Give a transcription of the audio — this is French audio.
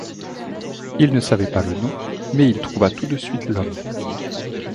Il ne savait pas le nom, mais il trouva tout de suite l’homme.